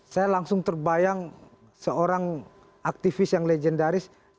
saya langsung terbayang seorang aktivis yang legendaris